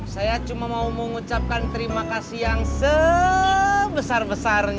saya cuma mau mengucapkan terima kasih yang sebesar besarnya